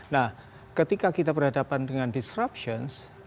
nah ketika kita berhadapan dengan disruption